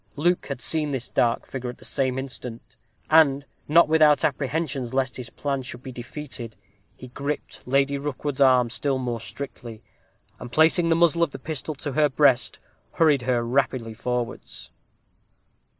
Luke had seen this dark figure at the same instant; and, not without apprehensions lest his plans should be defeated, he griped Lady Rookwood's arm still more strictly, and placing the muzzle of the pistol to her breast, hurried her rapidly forwards.